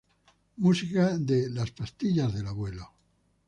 Música de Las pastillas del abuelo.